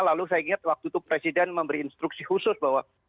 lalu saya ingat waktu itu presiden memberi instruksi khusus bahwa